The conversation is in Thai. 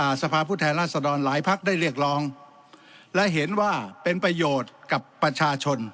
สภาพผู้แทนราชดรหลายพักได้เรียกร้องและเห็นว่าเป็นประโยชน์กับประชาชน